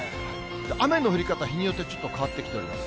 雨の降り方、日によってちょっと変わってきております。